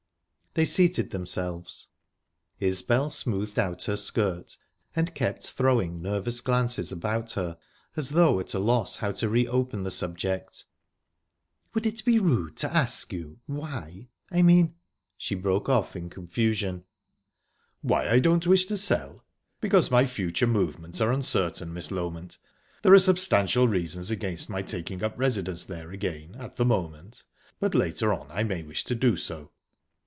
They seated themselves. Isbel smoothed out her skirt and kept throwing nervous glances about her, as though at a loss how to reopen the subject. "Would it be rude to ask you why I mean..." She broke off in confusion. "Why I don't wish to sell? Because my future movements are uncertain, Miss Loment. There are substantial reasons against my taking up residence there again at the moment, but later on I may wish to do so."